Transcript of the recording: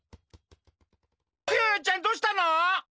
クヨヨちゃんどうしたの？